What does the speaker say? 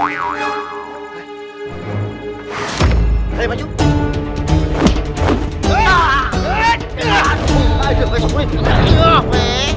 makasih makasih makasih